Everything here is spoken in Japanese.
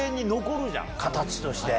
形として。